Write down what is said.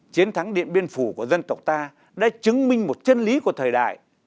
chiến thắng điện biên phủ của dân tộc ta đã chứng minh một chân lý của thời đại